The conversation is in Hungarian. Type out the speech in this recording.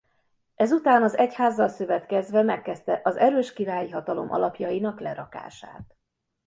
Ezután az egyházzal szövetkezve megkezdte az erős királyi hatalom alapjainak lerakását.